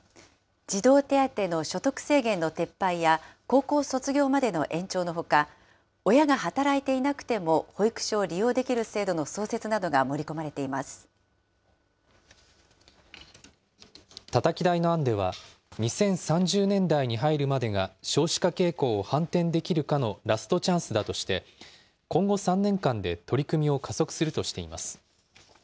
児童手当の所得制限の撤廃や、高校卒業までの延長のほか、親が働いていなくても保育所を利用できる制度の創設などが盛り込たたき台の案では、２０３０年代に入るまでが少子化傾向を反転できるかのラストチャンスだとして、今後３年間で取り組みを加速するとしています。